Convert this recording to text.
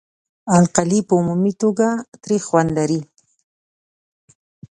القلي په عمومي توګه تریخ خوند لري.